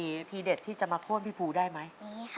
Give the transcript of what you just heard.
มีทีเด็ดที่จะมาโค้นพี่ภูได้ไหม